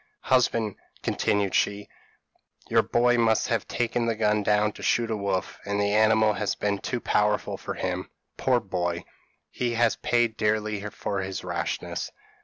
'Husband,' continued she, 'your boy must have taken the gun down, to shoot a wolf, and the animal has been too powerful for him. Poor boy! he has paid dearly for his rashness.'